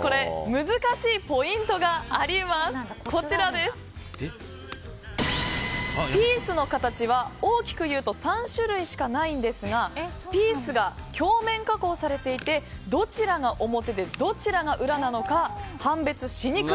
これ、難しいポイントがピースの形が大きくいうと３種類しかないんですがピースが鏡面加工されていてどちらが表でどちらが裏なのか判別しにくい。